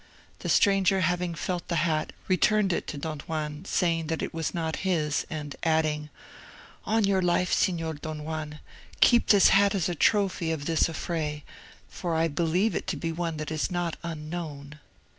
The stranger having felt the hat, returned it to Don Juan, saying that it was not his, and adding, "On your life, Signor Don Juan, keep this hat as a trophy of this affray, for I believe it to be one that is not unknown."